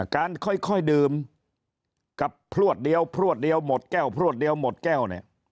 การค่อยดื่มกับพลวดเดียวพลวดเดียวหมดแก้วพรวดเดียวหมดแก้วเนี่ย